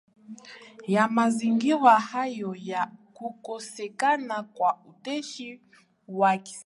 ya mazingira hayo ya kukosekana kwa uteshi wa kisiasa